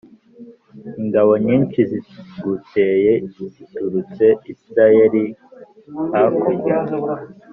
ingabo nyinshi ziguteye ziturutse i Siriya hakurya